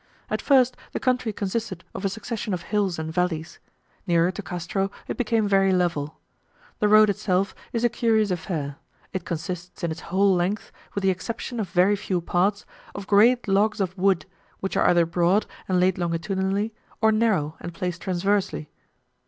At first, the country consisted of a succession of hills and valleys: nearer to Castro it became very level. The road itself is a curious affair; it consists in its whole length, with the exception of very few parts, of great logs of wood, which are either broad and laid longitudinally, or narrow and placed transversely.